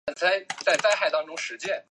春日部市也是同时包含的自治体。